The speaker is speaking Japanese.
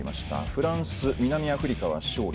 フランス南アフリカは勝利。